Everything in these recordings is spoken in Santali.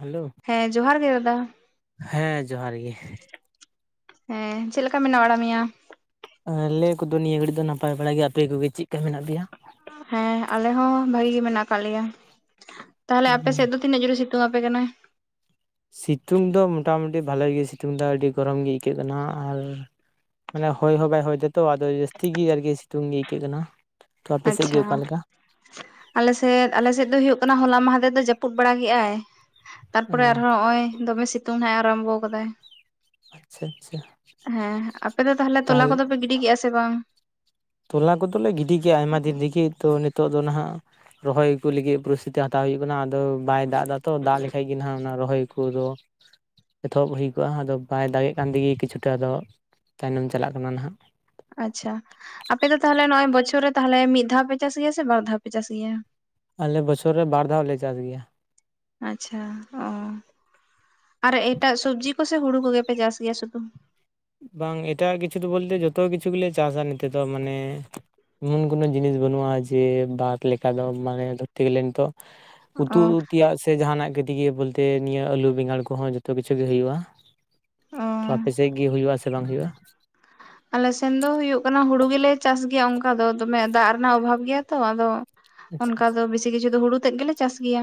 ᱦᱮᱞᱳ ᱦᱮᱸ ᱡᱚᱦᱟᱨ ᱜᱮ ᱫᱟᱫᱟ ᱦᱮᱸ ᱡᱚᱦᱟᱨ ᱜᱮ ᱦᱮᱸ ᱪᱮᱫ ᱞᱮᱠᱟ ᱢᱮᱱᱟᱜ ᱵᱟᱲᱟ ᱢᱮᱭᱟ ᱟᱞᱮ ᱠᱚᱫᱚ ᱱᱤᱭᱟᱹ ᱜᱷᱟᱹᱲᱤᱡ ᱫᱚ ᱱᱟᱯᱟᱭ ᱵᱟᱲᱟ ᱜᱮᱭᱟ ᱟᱯᱮ ᱠᱚᱜᱮ ᱪᱮᱫ ᱠᱟ ᱢᱮᱱᱟᱜ ᱯᱮᱭᱟ ᱦᱮᱸ ᱟᱞᱮ ᱦᱚᱸ ᱵᱷᱟᱜᱤ ᱜᱮ ᱢᱮᱱᱟᱜ ᱟᱠᱟᱫ ᱞᱮᱭᱟ ᱛᱟᱦᱞᱮ ᱟᱯᱮ ᱥᱮᱫ ᱫᱚ ᱛᱤᱱᱟᱹᱜ ᱡᱚᱨᱮ ᱥᱤᱛᱩᱝ ᱟᱯᱮ ᱠᱟᱱᱟ ᱥᱤᱛᱩᱝ ᱫᱚ ᱢᱚᱴᱟᱢᱩᱴᱤ ᱵᱷᱟᱞᱮ ᱜᱮ ᱥᱤᱛᱩᱝ ᱫᱟᱭ ᱟᱹᱰᱤ ᱜᱚᱨᱚᱢ ᱜᱮ ᱟᱹᱭᱠᱟᱹᱜ ᱠᱟᱱᱟ ᱟᱨ ᱢᱟᱱᱮ ᱦᱚᱭ ᱦᱚᱸ ᱵᱟᱭ ᱦᱚᱭ ᱫᱟᱛᱚ ᱟᱫᱚ ᱡᱟᱹᱥᱛᱤ ᱜᱮ ᱟᱨᱠᱤ ᱥᱤᱛᱩᱝ ᱜᱮ ᱟᱹᱭᱠᱟᱹᱜ ᱠᱟᱱᱟ ᱛᱚ ᱟᱯᱮ ᱥᱮᱫ ᱜᱮ ᱟᱪᱪᱷᱟ ᱚᱠᱟᱞᱮᱠᱟ? ᱟᱞᱮᱥᱮᱫ ᱟᱞᱮᱥᱮᱫ ᱫᱚ ᱦᱩᱭᱩᱜ ᱠᱟᱱᱟ ᱦᱚᱞᱟ ᱢᱟᱦᱫᱮᱨ ᱫᱚ ᱡᱟᱹᱯᱩᱫ ᱵᱟᱲᱟ ᱠᱮᱫ ᱟᱭ ᱚ ᱛᱟᱨᱯᱚᱨᱮ ᱟᱨᱦᱚᱸ ᱱᱚᱜᱼᱚᱭ ᱫᱚᱢᱮ ᱥᱤᱛᱩᱝ ᱦᱜ ᱮ ᱟᱨᱟᱢᱵᱷᱚ ᱠᱟᱫᱟᱭ᱾ ᱟᱪᱪᱷᱟ ᱟᱪᱪᱷᱟ ᱦᱮᱸ ᱟᱯᱮ ᱫᱚ ᱛᱟᱦᱞᱮ ᱛᱚᱞᱟ ᱛᱟᱦᱚᱞᱮ ᱠᱚᱫᱚ ᱯᱮ ᱜᱤᱰᱤ ᱠᱮᱫ-ᱟ ᱥᱮ ᱵᱟᱝ ᱛᱚᱞᱟ ᱠᱚᱫᱚᱞᱮ ᱜᱤᱰᱤ ᱜᱮᱭᱟ ᱟᱭᱢᱟ ᱫᱤᱱ ᱨᱮᱜᱮ ᱛᱚ ᱱᱤᱛᱚᱜ ᱫᱚ ᱱᱟᱦᱟᱜ ᱨᱚᱦᱚᱭ ᱠᱚ ᱞᱟᱹᱜᱤᱫ ᱯᱚᱨᱤᱥᱛᱷᱤᱛᱤ ᱦᱟᱛᱟᱣ ᱦᱩᱭᱩᱜ ᱠᱟᱱᱟ ᱟᱫᱚ ᱵᱟᱭ ᱫᱟᱜ ᱫᱟ ᱛᱚ ᱫᱟᱜ ᱞᱮᱠᱷᱟᱱᱡ ᱜᱮ ᱟᱜ ᱚᱱᱟ ᱨᱚᱦᱚᱭ ᱠᱚᱫᱚ ᱮᱛᱚᱦᱚᱵ ᱦᱩᱭ ᱠᱚᱜᱼᱟ ᱟᱫᱚ ᱵᱟᱭ ᱫᱟᱜᱮᱜ ᱠᱟᱱ ᱛᱮᱜᱮ ᱠᱤᱪᱷᱩᱴᱟ ᱫᱚ ᱛᱟᱭᱱᱚᱢ ᱪᱟᱞᱟᱜ ᱠᱟᱱᱟ ᱱᱟᱦᱟᱜ ᱟᱪᱪᱷᱟ ᱟᱯᱮ ᱫᱚ ᱛᱟᱦᱚᱞᱮ ᱱᱚᱜ ᱚᱭ ᱵᱚᱪᱷᱚᱨ ᱨᱮ ᱛᱟᱦᱞᱮ ᱢᱤᱫ ᱫᱷᱟᱣ ᱯᱮ ᱪᱟᱥ ᱜᱮᱭᱟ ᱥᱮ ᱵᱟᱨ ᱫᱷᱟᱣ ᱯᱮ ᱪᱟᱥ ᱜᱮᱭᱟ ᱟᱞᱮ ᱵᱚᱪᱷᱚᱨ ᱨᱮ ᱵᱟᱨ ᱫᱷᱟᱣ ᱞᱮ ᱪᱟᱥ ᱜᱮᱭᱟ ᱟᱪᱷᱟ ᱚ, ᱟᱨ ᱮᱴᱟᱜ ᱥᱚᱵᱡᱤ ᱠᱚᱥᱮ ᱦᱩᱲᱩ ᱠᱚᱜᱮᱯᱮ ᱪᱟᱥ ᱜᱮᱭᱟ ᱥᱩᱫᱩ ᱵᱟᱝ ᱮᱴᱟᱜ ᱠᱤᱪᱷᱩ ᱫᱚ ᱵᱚᱞᱛᱮ ᱡᱚᱛᱚ ᱠᱤᱪᱷᱩ ᱜᱮᱞᱮ ᱪᱟᱥᱟ ᱱᱤᱛᱮ ᱫᱚ ᱢᱟᱱᱮ ᱮᱢᱚᱱ ᱠᱳᱱᱳ ᱡᱤᱱᱤᱥ ᱵᱟᱹᱱᱩᱜᱼᱟ ᱡᱮ ᱵᱟᱫ ᱞᱮᱠᱟ ᱫᱚ ᱢᱟᱱᱮ ᱫᱷᱚᱨᱛᱮ ᱜᱮᱞᱮ ᱱᱤᱛᱚᱜ ᱚ ᱩᱛᱩ ᱛᱮᱭᱟᱜ ᱥᱮ ᱡᱟᱦᱟᱱᱟᱜ ᱜᱮ ᱫᱤᱭᱮ ᱵᱚᱞᱛᱮ ᱱᱤᱭᱟᱹ ᱟᱹᱞᱩ ᱵᱮᱸᱜᱟᱲ ᱠᱚᱦᱚᱸ ᱡᱚᱛᱚ ᱠᱤᱪᱷᱩ ᱜᱮ ᱦᱩᱭᱩᱜᱼᱟ ᱚ ᱛᱚ ᱟᱯᱮ ᱥᱮᱫ ᱜᱮ ᱦᱩᱭᱩᱜᱼᱟᱥᱮ ᱵᱟᱝ ᱦᱩᱭᱩᱜᱼᱟ ᱟᱞᱮᱥᱱ ᱫᱚ ᱦᱩᱭᱩᱜᱭᱳᱜ ᱠᱟᱱᱟ ᱦᱩᱲᱩ ᱜᱮᱞᱮ ᱪᱟᱥ ᱜᱮᱭᱟ ᱚᱱᱠᱟ ᱫᱚ ᱫᱚᱢᱮ ᱫᱟᱜ ᱨᱮᱱᱟᱜ ᱚᱵᱷᱟᱵ ᱜᱮᱭᱟ ᱛᱚ ᱟᱫᱚ ᱟᱪᱪᱷᱟ ᱚᱱᱠᱟ ᱫᱚ ᱟᱪᱪᱷᱟ ᱵᱮᱥᱤ ᱠᱤᱪᱷᱩ ᱫᱚ ᱦᱩᱲᱩ ᱛᱮᱫ ᱜᱮᱞᱮ ᱪᱟᱥ ᱜᱮᱭᱟ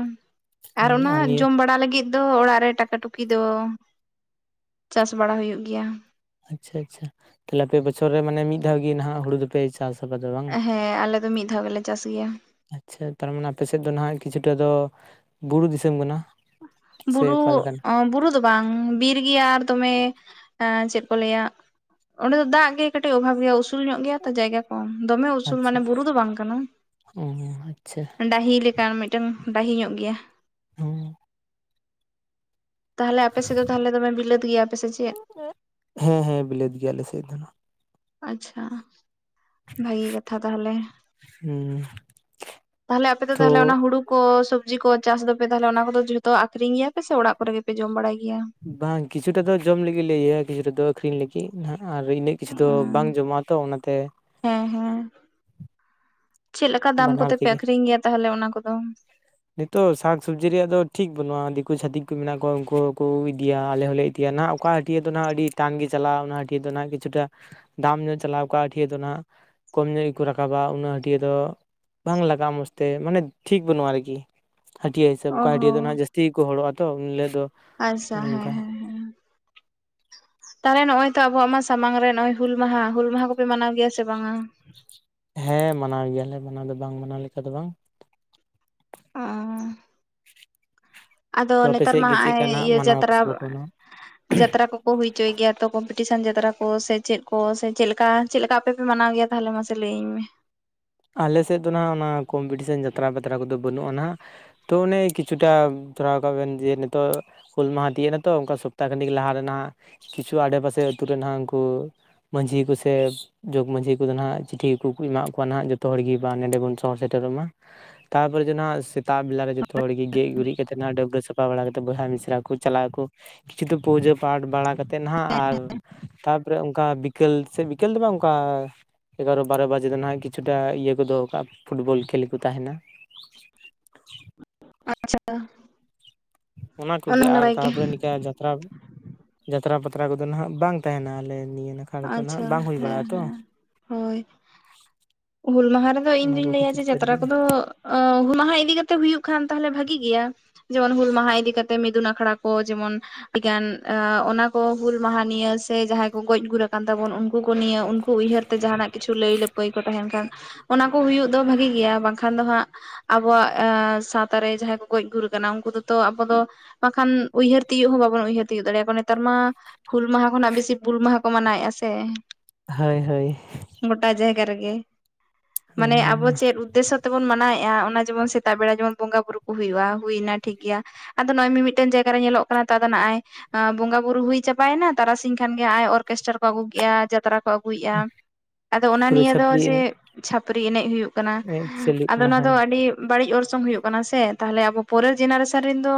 ᱟᱨ ᱦᱩᱸ ᱚᱱᱟ ᱱᱤᱭᱟᱹ ᱡᱚᱢ ᱵᱟᱲᱟ ᱞᱟᱹᱜᱤᱫ ᱫᱚ ᱚᱲᱟᱜ ᱨᱮ ᱴᱟᱠᱟ ᱴᱩᱠᱤ ᱫᱚ ᱪᱟᱥ ᱵᱟᱲᱟ ᱦᱩᱭᱩᱜ ᱜᱮᱭᱟ ᱟᱪᱷᱟ ᱟᱪᱷᱟ ᱛᱟᱦᱚᱞᱮ ᱯᱮ ᱵᱚᱪᱷᱚᱨ ᱨᱮ ᱢᱟᱱᱮ ᱢᱤᱫ ᱫᱷᱟᱣ ᱜᱮᱦᱟᱜ ᱦᱩᱲᱩ ᱫᱚᱯᱮ ᱪ ᱪᱟᱥ ᱟᱵᱟᱫ ᱦᱮᱸ ᱟᱞᱮ ᱫᱚ ᱢᱤᱫ ᱫᱷᱟᱣ ᱜᱮᱞᱮ ᱪᱟᱥ ᱜᱮᱭᱟ ᱟᱪᱪᱷᱟ ᱛᱟᱨᱢᱟᱱᱮ ᱟᱯᱮ ᱥᱮᱫ ᱫᱚ ᱱᱟᱦᱟᱜ ᱠᱤᱪᱷᱩᱴᱟ ᱫᱚ ᱵᱩᱨᱩ ᱫᱤᱥᱚᱢ ᱠᱟᱱᱟ ᱥᱮ ᱵᱩᱨᱩ ᱚᱠᱟ ᱞᱮᱠᱟᱱᱟ ᱚ ᱵᱩᱨᱩ ᱫᱚ ᱵᱟᱝ ᱵᱤᱨ ᱜᱮᱭᱟ ᱟᱨ ᱫᱚᱢᱮ ᱮ ᱪᱮᱫ ᱠᱚ ᱞᱟᱹᱭᱟ ᱚᱸᱰᱮ ᱫᱚ ᱫᱟᱜ ᱜᱮ ᱠᱟᱹᱴᱤᱡ ᱚᱵᱷᱟᱵᱽ ᱜᱮᱭᱟ ᱩᱥᱩᱞ ᱧᱚᱜ ᱜᱮᱭᱟ ᱡᱟᱭᱜᱟ ᱠᱚ ᱫᱚᱢᱮ ᱩᱥᱩᱞ ᱢᱟᱱᱮ ᱟᱪᱪᱷᱟ ᱵᱩᱨᱩ ᱫᱚ ᱵᱟᱝ ᱠᱟᱱᱟ ᱚ ᱟᱪᱪᱷᱟ ᱰᱟᱹᱦᱤ ᱞᱮᱠᱟᱱ ᱢᱤᱫ ᱢᱤᱫᱴᱟᱝ ᱵᱟᱦᱤ ᱧᱚᱜ ᱜᱮᱭᱟ᱾ ᱦᱩ ᱛᱟᱦᱚᱞᱮ ᱟᱯᱮ ᱥᱮᱫ ᱫᱚ ᱛᱟᱦᱚᱞᱮ ᱫᱚᱢᱮ ᱵᱤᱞᱟᱹᱛ ᱜᱮᱭᱟᱯᱮ ᱥᱮ ᱪᱮᱫ ᱦᱮᱸ ᱦᱮᱸ ᱵᱤᱞᱮᱫ ᱜᱮᱭᱟᱞᱮ ᱥᱮᱫ ᱫᱚ ᱱᱟᱜ ᱟᱪᱪᱷᱟ ᱵᱷᱟᱹᱜᱤ ᱠᱟᱛᱷᱟ ᱛᱟᱦᱚᱞᱮ ᱦᱩᱸ ᱛᱟᱦᱞᱮ ᱟᱯᱮ ᱫᱚ ᱛᱚ ᱛᱟᱦᱞᱮ ᱚᱱᱟ ᱦᱩᱲᱩ ᱠᱚ ᱥᱚᱵᱽᱡᱤ ᱠᱚ ᱪᱟᱥ ᱫᱚᱯᱮ ᱛᱟᱦᱚᱞᱮ ᱚᱱᱟ ᱠᱚᱫᱚ ᱡᱷᱚᱛᱚ ᱟᱠᱷᱨᱤᱧ ᱜᱮᱭᱟ ᱯᱮ ᱥᱮ ᱚᱲᱟᱜ ᱠᱚᱨᱮ ᱜᱮᱯᱮ ᱡᱚᱢ ᱵᱟᱲᱟᱭ ᱜᱮᱭᱟ ᱵᱟᱝ ᱠᱤᱪᱷᱩᱴᱟ ᱫᱚ ᱡᱚᱢ ᱞᱟᱹᱜᱤᱫ ᱞᱮ ᱤᱭᱟᱹᱭᱟ ᱠᱤᱪᱷᱩᱴᱟ ᱫᱚ ᱟᱹᱠᱷᱨᱤᱧ ᱞᱟᱹᱜᱤᱫ ᱟᱨ ᱤᱱᱟᱹᱜ ᱠᱤᱪᱷᱩ ᱫᱚ ᱵᱟᱝ ᱡᱚᱢᱟ ᱛᱚ ᱚᱱᱟᱛᱮ ᱦᱮᱸ ᱦᱮᱸ ᱪᱮᱫ ᱞᱮᱠᱟ ᱫᱟᱢ ᱵᱟᱱᱟᱨ ᱠᱚᱛᱮᱯᱮ ᱛᱮᱜᱮ ᱟᱠᱷᱨᱤᱧ ᱜᱮᱭᱟ ᱛᱟᱦᱚᱞᱮ ᱚᱱᱟ ᱠᱚᱫᱚ ᱱᱤᱛᱚᱜ ᱥᱟᱠ ᱥᱚᱵᱽᱡᱤ ᱨᱮᱭᱟᱜ ᱫᱚ ᱴᱷᱤᱠ ᱵᱟᱹᱱᱩᱜᱼᱟ ᱫᱤᱠᱩ ᱪᱷᱟᱹᱛᱤᱠ ᱠᱚ ᱢᱮᱱᱟᱜ ᱠᱚᱣᱟ ᱩᱱᱠᱩ ᱠᱚ ᱤᱫᱤᱭᱟ ᱟᱞᱮ ᱦᱚᱸᱞᱮ ᱤᱫ ᱦᱟᱹᱴᱤᱭᱟ ᱱᱟᱜ ᱚᱠᱟ ᱦᱟᱹᱴᱭᱟ. ᱫᱚ ᱱᱟᱜ ᱟᱹᱰᱤ ᱴᱟᱱ ᱜᱮ ᱪᱟᱞᱟᱜᱼᱟ ᱚᱱᱟ ᱦᱟᱹᱴᱭᱟᱹ ᱫᱚ ᱟᱜ ᱠᱤᱷᱩᱴᱟ ᱫᱟᱢ ᱫᱚ ᱪᱟᱞᱟᱣ ᱠᱚᱜᱼᱟ ᱴᱷᱤᱭᱟᱹ ᱫᱚ ᱱᱟᱦᱟᱜ ᱠᱚᱢ ᱧᱚᱜ ᱜᱮᱠᱚ ᱨᱟᱠᱟᱵᱟ ᱩᱱᱟᱹᱜ ᱦᱟᱹᱴᱭᱟ. ᱫᱚ ᱵᱟᱝ ᱞᱟᱜᱟᱜᱼᱟ ᱢᱚᱡᱽ ᱛᱮ ᱢᱟᱱᱮ ᱴᱷᱤᱠ ᱵᱟᱹᱱᱩᱜᱼᱟ ᱟᱨᱠᱤ ᱦᱟᱹᱴᱭᱟ. ᱦᱤᱥᱟᱹᱵᱽ ᱚ ᱚᱠᱟ ᱦᱟᱹᱴᱭᱟᱹ ᱫᱚ ᱦᱚᱸ ᱱᱟᱟᱜ ᱡᱟᱹᱥᱛᱤ ᱜᱮᱠᱚ ᱦᱚᱲᱚᱜᱼᱟ ᱛᱚ ᱩᱱ ᱦᱤᱞᱳᱜ ᱫᱚ ᱟᱪᱷᱟ ᱚᱱᱮ ᱦᱮᱸ ᱚᱱᱠᱟ ᱦᱮᱸ ᱦᱮᱸ ᱛᱟᱦᱮᱜ ᱱᱚᱜᱼᱚᱭ ᱛᱚ ᱟᱵᱚᱣᱟᱜ ᱢᱟ ᱥᱟᱢᱟᱝ ᱨᱮ ᱱᱚᱜ ᱚᱭ ᱦᱩᱞ ᱢᱟᱦᱟ ᱦᱩᱞ ᱢᱟᱦᱟ ᱠᱚᱯᱮ ᱢᱟᱱᱟᱣ ᱜᱮᱭᱟ ᱥᱮ ᱵᱟᱝᱟ ᱦᱮᱸ ᱢᱟᱱᱟᱣ ᱜᱮᱭᱟᱞᱮ ᱢᱟᱱᱟᱣ ᱫᱚ ᱵᱟᱝ ᱢᱟᱱᱟᱣ ᱞᱮᱠᱟ ᱫᱚ ᱵᱟᱝ [unintelligible] ᱟᱫᱚ ᱛᱚ ᱟᱯᱮ ᱱᱮᱛᱟᱨ ᱥᱮᱫ ᱜᱮ ᱪᱮᱫ ᱢᱟᱜᱼᱚᱭ ᱠᱟ ᱱᱟᱜ ᱤᱭᱟᱹ ᱢᱟᱱᱟᱣ ᱟᱠᱚ ᱡᱟᱛᱨᱟ ᱥᱮ ᱵᱟᱠᱚ ᱢᱟᱱᱟᱣᱟ ᱡᱟᱛᱨᱟ ᱠᱚ ᱠᱚ ᱦᱩᱭ ᱦᱚᱪᱚᱭ ᱜᱮᱭᱟ ᱛᱚ ᱠᱚᱢᱯᱤᱴᱤᱥᱮᱱ ᱡᱟᱛᱨᱟ ᱠᱚ ᱥᱮ ᱪᱮᱫ ᱠᱚ ᱥᱮ ᱪᱮᱫ ᱞᱮᱠᱟ ᱪᱮᱫ ᱞᱮᱠᱟ ᱟᱯᱮ ᱯᱮ ᱢᱟᱱᱟᱣ ᱜᱮᱭᱟ ᱛᱟᱦᱚᱞᱮ ᱢᱟᱥᱮ ᱞᱟᱹᱭᱟᱹᱧ ᱢᱮ ᱟᱞᱮ ᱥᱮᱫ ᱫᱚ ᱱᱟᱦᱟᱸᱜ ᱚᱱᱟ ᱠᱚᱢᱯᱤᱴᱤᱥᱮᱱ ᱡᱟᱛᱨᱟ ᱯᱟᱛᱨᱟ ᱠᱚᱫᱚ ᱵᱟᱹᱱᱩᱜᱼᱟ ᱱᱟᱦᱟᱜ ᱛᱚ ᱚᱱᱮ ᱠᱤᱪᱷᱩᱴᱟ ᱫᱷᱚᱨᱟᱣ ᱠᱟᱜ ᱵᱮᱱ ᱡᱮ ᱱᱤᱛᱚᱜ, ᱦᱩᱞ ᱢᱟᱦᱟ ᱛᱤᱭᱳ ᱮᱱᱟ ᱛᱚ ᱚᱱᱠᱟ ᱥᱚᱯᱛᱟᱦ ᱠᱷᱟᱱᱤᱠ ᱞᱟᱦᱟ ᱨᱮᱱᱟᱜ ᱠᱤᱪᱷᱩ ᱟᱰᱮᱯᱟᱥᱮ ᱟᱹᱛᱩ ᱨᱮ ᱱᱟᱦᱟᱜ ᱩᱱᱠᱩ ᱢᱟᱺᱡᱷᱤ, ᱠᱚ ᱥᱮ ᱡᱚᱜᱽ ᱢᱟᱡᱷᱤ, ᱠᱚᱫᱚ ᱱᱟᱦᱟᱜ ᱪᱤᱴᱷᱤ ᱠᱚ ᱮᱢᱟᱫ ᱠᱚᱣᱟ ᱱᱟᱦᱟᱜ ᱡᱚᱛᱚ ᱡᱚᱛᱚ ᱦᱚᱲ ᱜᱮ ᱵᱟᱝ ᱱᱚᱸᱰᱮ ᱵᱚᱱ ᱥᱚᱦᱚᱨ ᱥᱮᱴᱮᱨᱚᱜ ᱢᱟ ᱛᱟᱯᱚᱨᱮ ᱡᱮ ᱥᱮᱛᱟᱜ ᱵᱮᱞᱟ ᱡᱚᱛᱚ ᱦᱚᱲ ᱜᱮᱡ ᱜᱩᱨᱤᱡ ᱠᱟᱛᱮᱫ ᱰᱟᱹᱵᱨᱟᱹ ᱥᱟᱯᱷᱟ ᱵᱟᱲᱟ ᱠᱟᱛᱮᱫ ᱵᱚᱭᱦᱟ ᱢᱤᱥᱨᱟ ᱠᱚ ᱪᱟᱞᱟᱜ ᱟᱠᱚ ᱠᱤᱪᱷᱩ ᱫᱚ ᱯᱩᱡᱟᱹ ᱯᱟᱴ ᱵᱟᱲᱟ ᱠᱟᱛᱮᱫ ᱱᱟᱦᱟᱜ ᱟᱨ ᱛᱟᱨ ᱛᱟᱯᱚᱨᱮ ᱚᱱᱠᱟ ᱵᱤᱠᱮᱞ ᱥᱮ ᱵᱤᱠᱮᱞ ᱫᱚ ᱵᱟᱝ ᱚᱱᱠᱟ ᱮᱜᱟᱨᱚ ᱵᱟᱨᱚ ᱵᱟᱡᱮ ᱫᱚ ᱱᱟᱦᱟᱜ ᱠᱤᱪᱷᱩ [unintelligible] ᱤᱭᱟᱹ ᱠᱚ ᱫᱚᱦᱚ ᱠᱟᱜᱼᱟ ᱯᱷᱩᱴᱵᱚᱞ ᱠᱷᱮᱞ ᱠᱚ ᱛᱟᱦᱮᱱᱟ ᱟᱪᱷᱟ ᱚᱱᱟ ᱠᱚᱜᱮ ᱟᱨ ᱛᱟᱨᱯᱚᱨᱮ ᱱᱤᱝᱠᱟᱹ ᱡᱟᱛᱨᱟ ᱡᱟᱛᱨᱟ ᱯᱟᱛᱨᱟ ᱠᱚᱫᱚ ᱦᱟᱜ ᱵᱟᱝ ᱛᱟᱦᱮᱱᱟ ᱟᱞᱮ ᱱᱤᱭᱟᱹ᱾ ᱟᱨ ᱫᱚ ᱱᱟᱜ ᱟᱪᱪᱷᱟ ᱦᱟᱸ ᱵᱟᱝ ᱦᱩᱭ ᱦᱮᱸ ᱵᱟᱲᱟᱜᱼᱟ ᱛᱚ ᱦᱮᱸ ᱦᱳᱭ ᱦᱩᱞ ᱢᱟᱦᱟ ᱨᱮᱫᱚ ᱤᱧ ᱚᱱᱟ ᱫᱩᱧ ᱠᱚ ᱞᱟᱹᱭᱟ ᱠᱷᱟᱹᱛᱤᱨ ᱡᱮ ᱛᱮ ᱡᱟᱛᱨᱟ ᱟᱨᱠᱤ ᱠᱚᱫᱚ ᱚ ᱦᱩᱞ ᱢᱟᱦᱟ ᱤᱫᱤ ᱠᱟᱛᱮᱜ ᱦᱩᱭᱩᱜ ᱠᱷᱟᱱ ᱛᱟᱦᱚᱞᱮ ᱵᱷᱟᱜᱤ ᱜᱮᱭᱟ ᱡᱮᱢᱚᱱ ᱦᱩᱞ ᱢᱟᱦᱟ ᱤᱫᱤ ᱠᱟᱛᱮ ᱢᱤᱫᱩᱱ ᱟᱠᱷᱲᱟ ᱠᱚ ᱡᱮᱢᱚᱱ ᱟᱹᱰᱤᱜᱟᱱ ᱚᱱᱟ ᱠᱚ ᱦᱩᱞ ᱢᱟᱦᱟ ᱱᱤᱭᱟᱹ ᱥᱮ ᱡᱟᱦᱟᱸᱭ ᱠᱚ ᱜᱚᱡ ᱜᱩᱨ ᱠᱟᱱ ᱛᱟᱵᱚᱱ ᱩᱱᱠᱩ ᱠᱚ ᱱᱤᱭᱟᱹ ᱩᱱᱠᱩ ᱩᱭᱦᱟᱹᱨ ᱛᱮ ᱡᱟᱦᱟᱱᱟᱜ ᱠᱤᱪᱷᱩ ᱞᱟᱹᱭ ᱞᱟᱹᱯᱟᱹᱭ ᱢᱮᱱᱠᱷᱟᱱ ᱚᱱᱟ ᱠᱚ ᱦᱩᱭᱩᱜ ᱫᱚ ᱵᱷᱟᱜᱤ ᱜᱮᱭᱟ ᱵᱟᱝᱠᱷᱟᱱ ᱫᱚ ᱦᱟᱸᱜ ᱟᱵᱚᱣᱟᱜ ᱥᱟᱶᱛᱟᱨᱮ ᱡᱟᱦᱟᱸᱭ ᱠᱚ ᱜᱚᱡ ᱜᱩᱨ ᱠᱟᱱᱟ ᱩᱱᱠᱩ ᱫᱚᱛᱚ ᱟᱵᱚ ᱫᱚ ᱵᱟᱠᱷᱟᱱ ᱩᱭᱦᱟᱹᱨ ᱛᱤᱭᱳᱜ ᱦᱚᱸ ᱵᱟᱵᱚᱱ ᱩᱭᱦᱟᱹᱨ ᱛᱤᱭᱳᱜ ᱫᱟᱲᱮᱭᱟᱠᱚᱣᱟ ᱱᱮᱛᱟᱨ ᱢᱟ ᱦᱩᱞ ᱢᱟᱦᱟ ᱠᱷᱚᱱᱟᱜ ᱵᱮᱥᱤ ᱯᱩᱞ ᱢᱟᱦᱟ ᱠᱚ ᱢᱟᱱᱟᱣᱮᱫᱼᱟ ᱥᱮ? ᱦᱚᱭ ᱦᱚᱭ ᱜᱚᱴᱟ ᱡᱟᱭᱜᱟ ᱨᱮᱜᱮ᱾ ᱢᱟᱱᱮ ᱚᱱᱟᱜᱮ ᱟᱵᱚ ᱢᱟ ᱪᱮᱫ ᱩᱫᱽᱫᱮᱥᱥᱚ ᱛᱮᱵᱚᱱ ᱢᱟᱱᱟᱣᱮᱫᱼᱟ ᱚᱱᱟ ᱡᱮᱢᱚᱱ ᱥᱮᱛᱟᱜ ᱵᱮᱲᱟ ᱡᱮᱢᱚᱱ ᱵᱚᱸᱜᱟ ᱵᱩᱨᱩ ᱠᱚ ᱦᱩᱭᱩᱜᱼᱟ ᱦᱩᱭᱮᱱᱟ ᱴᱷᱤᱠ ᱜᱮᱭᱟ᱾ ᱟᱫᱚ ᱱᱚᱜ ᱚᱭ ᱢᱤᱢᱤᱫᱴᱮᱱ ᱡᱟᱭᱜᱟ ᱨᱮ ᱧᱮᱞᱚᱜ ᱠᱟᱱᱟ ᱛᱚ ᱟᱫᱚ ᱱᱚᱜᱼᱚᱭ ᱵᱚᱸᱜᱟ ᱵᱩᱨᱩ ᱦᱩᱭ ᱪᱟᱵᱟᱭᱮᱱᱟ ᱛᱟᱨᱟᱥᱤᱧ ᱠᱷᱟᱱᱜᱮ ᱟᱭ ᱚᱨᱠᱮᱥᱴᱟᱨ ᱠᱚ ᱟᱹᱜᱩ ᱠᱮᱫᱟ ᱡᱟᱛᱨᱟ ᱠᱚ ᱠᱚ ᱟᱹᱜᱩᱭᱮᱫᱼᱟ ᱟᱫᱚ ᱚᱱᱟ ᱯᱩᱨᱟᱹ ᱱᱤᱭᱟᱹ ᱫᱚ ᱪᱷᱟᱹᱯᱨᱤ ᱡᱮ ᱮᱱᱮᱡ ᱪᱷᱟᱹᱯᱨᱤ ᱮᱱᱮᱡ ᱦᱩᱭᱩᱜ ᱠᱟᱱᱟ ᱮᱱᱮᱡ ᱪᱟᱹᱞᱩᱜ ᱟᱫᱚ ᱠᱟᱱᱟ ᱚᱱᱟ ᱫᱚ ᱦᱳᱭ ᱟᱹᱰᱤ ᱵᱟᱹᱲᱤᱡ ᱚᱨᱥᱚᱝ ᱦᱩᱭᱩᱜ ᱠᱟᱱᱟ ᱥᱮ ᱛᱟᱦᱞᱮ ᱟᱵᱚ ᱯᱚᱨᱮᱨ ᱡᱮᱱᱟᱨᱮᱥᱚᱱ ᱨᱮᱱ ᱫᱚ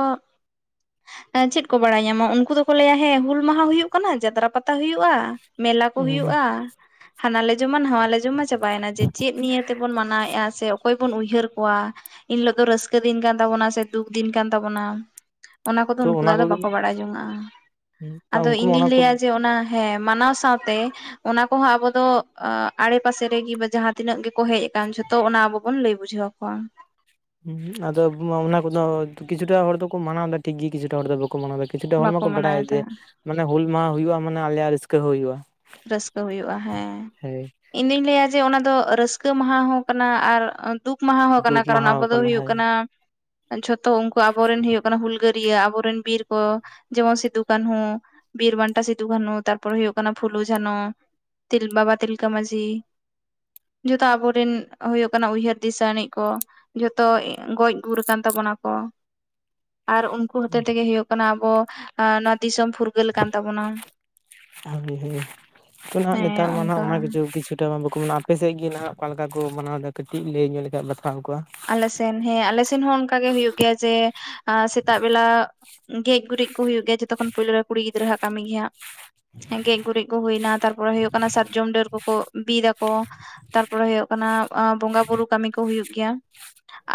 ᱪᱮᱫ ᱠᱚ ᱵᱟᱲᱟᱭ ᱧᱟᱢᱟ ᱩᱱᱠᱩ ᱫᱚᱠᱚ ᱞᱟᱹᱭᱟ ᱦᱮᱸ ᱦᱩᱞ ᱢᱟᱦᱟ ᱦᱩᱭᱩᱜ ᱠᱟᱱᱟ ᱡᱟᱛᱨᱟ ᱯᱟᱛᱟ ᱦᱩᱭᱩᱜᱼᱟ ᱢᱮᱞᱟ ᱠᱚ ᱦᱩᱭᱩᱜᱼᱟ ᱦᱟᱱᱟ ᱞᱮ ᱡᱚᱢᱟ ᱱᱟᱣᱟ ᱞᱮ ᱡᱚᱢ ᱡᱚᱢᱟ ᱪᱟᱵᱟᱭᱮᱱᱟ ᱡᱮ ᱪᱮᱫ ᱱᱤᱭᱟᱹ ᱛᱮᱵᱚᱱ ᱢᱟᱱᱟᱣᱮᱫᱼᱟ ᱥᱮ ᱚᱠᱚᱭ ᱵᱚᱱ ᱩᱭᱦᱟᱹᱨ ᱠᱚᱣᱟ ᱤᱱᱦᱤᱞᱚᱜ ᱫᱚ ᱨᱟᱹᱥᱠᱟᱹ ᱫᱤᱱ ᱠᱟᱱ ᱛᱟᱵᱚᱱᱟ ᱥᱮ ᱫᱩᱠ ᱫᱤᱱ ᱠᱟᱱ ᱛᱟᱵᱚᱱᱟ? ᱚᱱᱟ ᱠᱚᱫᱚ ᱛᱚ ᱩᱱᱠᱩ ᱫᱚ ᱚᱱᱟ ᱟᱫᱚ ᱠᱚᱜᱮ ᱵᱟᱠᱚ ᱵᱟᱲᱟᱭ ᱡᱚᱝᱱᱟᱜᱼᱟ ᱟᱫᱚ ᱤᱧ ᱩᱱᱠᱩ ᱢᱟ ᱫᱩᱧ ᱚᱱᱟ ᱠᱚ ᱞᱟᱹᱭᱟ ᱡᱮ ᱚᱱᱟ ᱦᱮᱸ ᱢᱟᱱᱟᱣ ᱥᱟᱶᱛᱮ ᱚᱱᱟ ᱠᱚᱦᱚᱸ ᱟᱵᱚ ᱫᱚ ᱟᱲᱮ ᱯᱟᱥᱮ ᱨᱮᱜᱮ ᱡᱟᱦᱟᱸ ᱛᱤᱱᱟᱹᱜ ᱜᱮᱠᱚ ᱦᱮᱡ ᱟᱠᱟᱱ ᱡᱚᱛᱚ ᱚᱱᱟ ᱟᱵᱚ ᱵᱚᱱ ᱞᱟᱹᱭ ᱵᱩᱡᱷᱟᱹᱣ ᱠᱚᱣᱟ ᱦᱩ ᱟᱫᱚ ᱚᱱᱟ ᱠᱚᱫᱚ ᱠᱤᱪᱷᱩᱴᱟ ᱦᱚᱲ ᱫᱚᱠᱚ ᱢᱟᱱᱟᱣ ᱮᱫᱟ ᱴᱷᱤᱠ ᱜᱮ ᱠᱤᱪᱷᱩᱴᱟ ᱦᱚᱲ ᱫᱚ ᱵᱟᱠᱚ ᱢᱟᱱᱟᱣ ᱮᱫᱟ ᱠᱤᱪᱷᱩᱴᱟ ᱦᱚᱲ ᱵᱟᱠᱚ ᱢᱟᱠᱚ ᱵᱟᱰᱟᱭᱟ ᱡᱮ ᱢᱟᱱᱟᱣᱮᱫᱟ ᱢᱟᱱᱮ ᱦᱩᱞ ᱢᱟᱦᱟ ᱦᱩᱭᱩᱜᱼᱟ ᱢᱟᱱᱮ ᱟᱞᱮᱭᱟᱜ ᱨᱟᱹᱥᱠᱟᱹ ᱦᱚᱸ ᱦᱩᱭᱩᱜᱼᱟ᱾ ᱨᱟᱹᱥᱠᱟᱹ ᱦᱩᱭᱩᱜᱼᱟ ᱦᱮᱸ ᱦᱳᱭ ᱤᱧ ᱫᱩᱧ ᱞᱟᱹᱭᱟ ᱡᱮ ᱚᱱᱟ ᱫᱚ ᱨᱟᱹᱥᱠᱟᱹ ᱢᱟᱦᱟ ᱦᱚᱸ ᱠᱟᱱᱟ ᱟᱨ ᱫᱩᱠ ᱢᱟᱦᱟᱸ ᱦᱚᱸ ᱠᱟᱱᱟ ᱫᱩᱠ ᱠᱟᱨᱚᱱ ᱢᱟᱦᱟ ᱟᱵᱚ ᱫᱚ ᱦᱩᱭᱩᱜ ᱦᱳᱭ ᱠᱟᱱᱟ ᱡᱷᱚᱛᱚ ᱩᱱᱠᱩ ᱟᱵᱚᱨᱮᱱ ᱦᱩᱭᱩᱜ ᱠᱟᱱᱟ ᱦᱩᱞᱜᱟᱹᱨᱭᱟᱹ ᱟᱵᱚᱨᱮᱱ ᱵᱤᱨ ᱠᱚ, ᱡᱮᱢᱚᱱ ᱥᱤᱫᱩ ᱠᱟᱹᱱᱦᱩ ᱵᱤᱨ ᱵᱟᱱᱴᱟ ᱥᱤᱫᱩ ᱠᱟᱹᱱᱩ ᱛᱟᱨᱯᱚᱨ ᱦᱩᱭᱩᱜ ᱠᱟᱱᱟ ᱯᱷᱩᱞᱩ ᱡᱷᱟᱱᱚ ᱛᱤᱞ, ᱵᱟᱵᱟ ᱛᱤᱞᱠᱟᱹ ᱢᱟᱺᱡᱷᱤ ᱡᱚᱛᱚ ᱟᱵᱚᱨᱮᱱ ᱦᱩᱭᱩᱜ ᱠᱟᱱᱟ ᱩᱭᱦᱟᱹᱨ ᱫᱤᱥᱟᱹᱟᱹᱱᱤᱡ ᱠᱚ ᱡᱚᱛᱚ ᱜᱚᱡ ᱜᱩᱨ ᱠᱟᱱ ᱛᱟᱵᱚᱱᱟ ᱠᱚ ᱟᱨ ᱩᱱᱠᱩ ᱦᱚᱛᱮᱡ ᱛᱮᱜᱮ ᱦᱩᱭᱩᱜ ᱠᱟᱱᱟ ᱟᱵᱚ ᱱᱚᱣᱟ ᱫᱤᱥᱚᱢ ᱯᱷᱩᱨᱜᱟᱹᱞ ᱠᱟᱱ ᱛᱟᱵᱚᱱᱟ᱾ [unintelligible] ᱱᱟᱦᱟᱸᱜ ᱦᱮᱸ ᱱᱮᱛᱟᱨ ᱱᱟᱦᱟᱸᱜ ᱚᱱᱠᱟ ᱚᱱᱟᱜᱮ ᱥᱳᱵ ᱠᱤᱪᱷᱩ ᱾ ᱱᱚᱛᱮ ᱢᱟ ᱵᱟᱠᱚ ᱢᱟᱱᱟᱣᱟ᱾ ᱟᱯᱮᱥᱮᱫ ᱜᱮ ᱱᱟᱦᱟᱜ ᱚᱠᱟ ᱞᱮᱠᱟ ᱠᱚ ᱢᱟᱱᱟᱣ ᱮᱫᱟ? ᱠᱟᱹᱴᱤᱡ ᱞᱟᱹᱭ ᱧᱚᱜ ᱞᱮᱠᱷᱟᱡ ᱵᱟᱛᱷᱟᱣ ᱠᱚᱣᱟ ᱟᱞᱮ ᱥᱮᱱ ᱦᱮᱸ ᱟᱞᱮ ᱥᱮᱱ ᱦᱚᱸ ᱚᱱᱠᱟᱜᱮ ᱦᱩᱭᱩᱜ ᱜᱮᱭᱟ ᱡᱮ ᱥᱮᱛᱟᱜ ᱵᱮᱞᱟ ᱜᱮᱡ ᱜᱩᱨᱤᱡ ᱠᱚ ᱦᱩᱭᱩᱜ ᱜᱮᱭᱟ ᱡᱚᱛᱚᱠᱷᱚᱱ ᱯᱳᱭᱞᱳ ᱨᱮ ᱠᱩᱲᱤ ᱜᱤᱫᱽᱨᱟᱹᱣᱟᱜ ᱠᱟᱹᱢᱤ ᱜᱮ ᱦᱟᱸᱜ᱾ ᱮᱸ ᱜᱮᱡ ᱜᱩᱨᱤᱡ ᱠᱚ ᱦᱩᱭᱱᱟ, ᱛᱟᱨᱯᱚᱨᱮ ᱦᱩᱭᱩᱜ ᱠᱟᱱᱟ ᱥᱟᱨᱡᱚᱢ ᱰᱟᱹᱨ ᱠᱚᱠᱚ ᱵᱤ ᱫᱟᱠᱚ ᱛᱟᱨᱯᱚᱨᱮ ᱦᱩᱭᱩᱜᱜ ᱠᱟᱱᱟ ᱵᱚᱸᱜᱟ ᱵᱩᱨᱩ ᱠᱟᱹᱢᱤ ᱠᱚ ᱦᱩᱭᱩᱜ ᱜᱮᱭᱟ᱾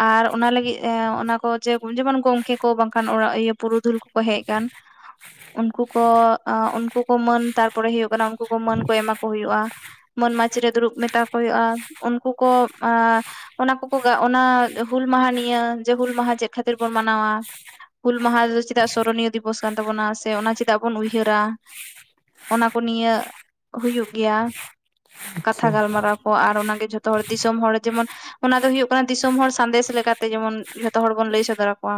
ᱟᱨ ᱚᱱᱟ ᱞᱟᱹᱜᱤᱫ ᱚᱱᱟ ᱠᱚ ᱡᱮᱢᱚᱱ ᱜᱚᱢᱠᱮ ᱠᱚ ᱵᱟᱝᱠᱷᱟᱱ ᱚᱲᱟᱜ ᱯᱩᱨᱩᱫᱷᱩᱞ ᱠᱚᱠᱚ ᱦᱮᱡ ᱟᱠᱟᱱ ᱩᱱᱠᱩ ᱠᱚ, ᱩᱱᱠᱩ ᱠᱚ ᱢᱟᱹᱱ ᱛᱟᱨᱯᱚᱨᱮ ᱦᱩᱭᱩᱜ ᱠᱟᱱᱟ ᱩᱱᱠᱩ ᱠᱚ ᱢᱟᱹᱱ ᱠᱚ ᱮᱢᱟ ᱠᱚ ᱦᱩᱭᱩᱜᱼᱟ᱾ ᱢᱟᱹᱱ ᱢᱟᱪᱷ ᱨᱮ ᱫᱩᱲᱩᱵ ᱢᱮᱛᱟ ᱠᱚ ᱦᱩᱭᱩᱜᱼᱟ ᱩᱱᱠᱩ ᱠᱚ ᱟ ᱚᱱᱟ ᱠᱚ ᱠᱚᱜᱮ ᱚᱱᱟ ᱦᱩᱞ ᱢᱟᱦᱟ ᱱᱤᱭᱟ ᱡᱮ ᱦᱩᱞ ᱢᱟᱦᱟ ᱪᱮᱫ ᱠᱷᱟᱹᱛᱤᱨ ᱵᱚᱱ ᱢᱟᱱᱟᱣᱟ? ᱦᱩᱞ ᱢᱟᱦᱟ ᱨᱮᱫᱚ ᱪᱮᱫᱟᱜ ᱥᱚᱨᱚᱱᱤᱭᱚ ᱫᱤᱵᱚᱥ ᱠᱟᱱ ᱛᱟᱵᱚᱱᱟ, ᱥᱮ ᱚᱱᱟ ᱪᱮᱫᱟᱜ ᱵᱚᱱ ᱩᱭᱦᱟᱹᱨᱟ ᱚᱱᱟ ᱠᱚ ᱱᱤᱭᱟ ᱦᱩᱭᱩᱜ ᱜᱮᱭᱟ᱾ ᱠᱟᱛᱷᱟ ᱟᱪᱪᱷᱟ ᱜᱟᱞᱢᱟᱨᱟᱣ ᱠᱚ ᱟᱨ ᱚᱱᱟᱜᱮ ᱡᱷᱚᱛᱚ ᱦᱚᱲ ᱫᱤᱥᱚᱢ ᱦᱚᱲ, ᱡᱮᱢᱚᱱ ᱚᱱᱟ ᱫᱚ ᱦᱩᱭᱩᱜ ᱫᱤᱥᱚᱢ ᱦᱚᱲ ᱥᱟᱸᱫᱮᱥ ᱞᱮᱠᱟᱛᱮ ᱡᱮᱢᱚᱱ ᱡᱷᱚᱛᱚ ᱦᱚᱲ ᱵᱚᱱ ᱞᱟᱹᱭ ᱥᱚᱫᱚᱨ ᱟᱠᱚᱣᱟ᱾